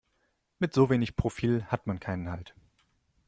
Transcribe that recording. Mit so wenig Profil hat man keinen Halt.